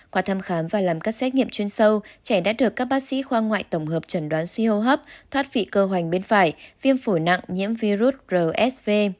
qua thăm khám và làm các xét nghiệm chuyên sâu trẻ đã được các bác sĩ khoa ngoại tổng hợp trần đoán suy hô hấp thoát vị cơ hoành bên phải viêm phổi nặng nhiễm virus rsv